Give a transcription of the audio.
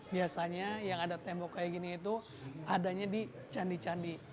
biasanya yang ada tembok kayak gini itu adanya di candi candi